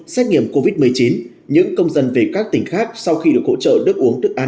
xét nghiệm covid một mươi chín những công dân về các tỉnh khác sau khi được hỗ trợ nước uống thức ăn